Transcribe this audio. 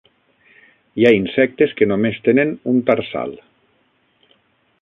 Hi ha insectes que només tenen un tarsal.